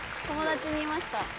友達にいました。